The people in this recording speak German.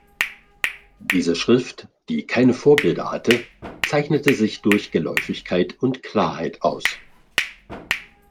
Diese Schrift, die keine Vorbilder hatte, zeichnete sich durch Geläufigkeit und Klarheit aus.